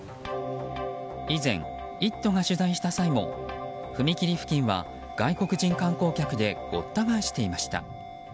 以前「イット！」が取材した際も踏切付近は、外国人観光客でごった返していました。